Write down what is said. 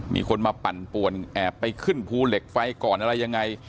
มีคนมาปั่นป่วนแอบไปขึ้นภูเหล็กไฟก่อนอะไรยังไง